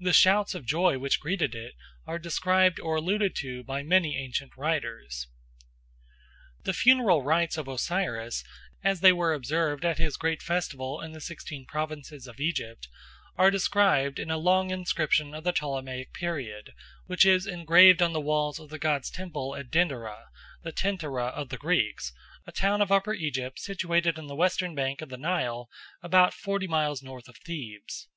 The shouts of joy which greeted it are described or alluded to by many ancient writers. The funeral rites of Osiris, as they were observed at his great festival in the sixteen provinces of Egypt, are described in a long inscription of the Ptolemaic period, which is engraved on the walls of the god's temple at Denderah, the Tentyra of the Greeks, a town of Upper Egypt situated on the western bank of the Nile about forty miles north of Thebes.